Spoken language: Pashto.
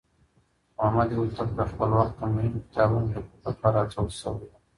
محمد هوتک د خپل وخت د مهمو کتابونو ليکلو لپاره هڅول شوی و.